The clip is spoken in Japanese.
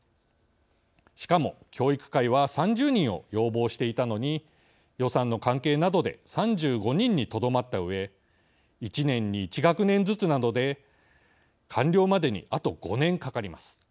しかも教育界は３０人を要望していたのに予算の関係などで３５人にとどまったうえ１年に１学年ずつなので完了までにあと５年かかります。